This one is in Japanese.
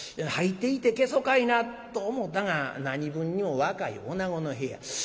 入っていて消そかいなと思たが何分にも若い女子の部屋。